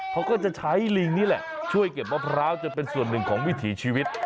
เขาก็จะใช้ลิงนี่แหละช่วยเก็บมะพร้าวจนเป็นส่วนหนึ่งของวิถีชีวิต